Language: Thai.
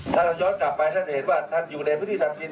ถ้าเราย้อนกลับไปท่านจะเห็นว่าท่านอยู่ในพื้นที่ตัดสิน